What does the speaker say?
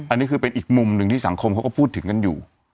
อันนี้คือเป็นอีกมุมหนึ่งที่สังคมเขาก็พูดถึงกันอยู่